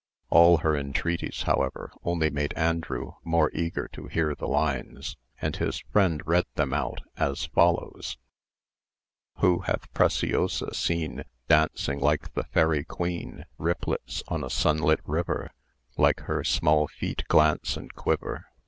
All her entreaties, however, only made Andrew more eager to hear the lines, and his friend read them out as follows:— Who hath Preciosa seen Dancing like the Fairy Queen? Ripplets on a sunlit river Like her small feet glance and quiver.